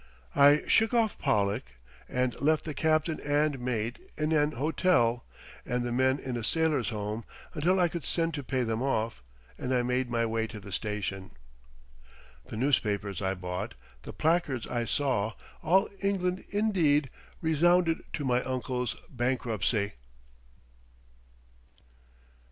I shook off Pollack, and left the captain and mate in an hotel, and the men in a Sailor's Home until I could send to pay them off, and I made my way to the station. The newspapers I bought, the placards I saw, all England indeed resounded to my uncle's bankruptcy.